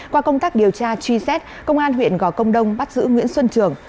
qua công tác điều tra truy xét công an huyện gò công đông bắt giữ nguyễn xuân trường